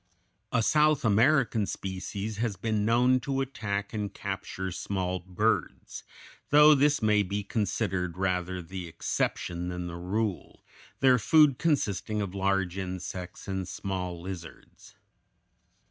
A South American species has been known to attack and capture small birds, though this may be considered rather the exception than the rule, their food consisting of large insects and small lizards.